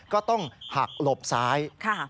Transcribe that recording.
ก็ต้องหักหลบซ้าย